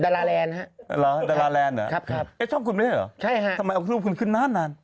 แล้วมันขึ้นมานาน